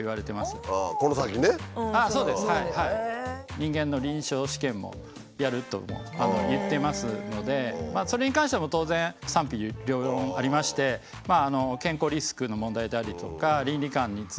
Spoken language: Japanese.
人間の臨床試験もやるとも言ってますのでそれに関しても当然賛否両論ありまして健康リスクの問題であったりとか倫理観についてのハードルもあります。